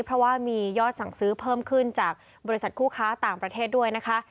เพราะว่ามียอดสั่งซื้อเพิ่มขึ้นจากบริษัทคู่ค้าต่างประเทศด้วยนะคะ